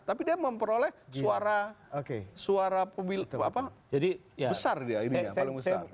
tapi dia memperoleh suara pemilih islam